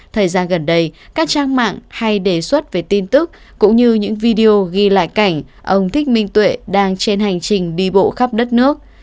thời gian gần đây các trang mạng hay đề xuất về tin tức cũng như những video ghi lại cảnh ông thích minh tuệ đang trên hành trình đi bộ khắp đất nước